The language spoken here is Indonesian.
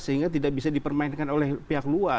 sehingga tidak bisa dipermainkan oleh pihak luar